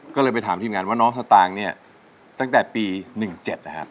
ก็เลยไปถามทีมงานว่าน้องสตางค์เนี่ยตั้งแต่ปี๑๗นะครับ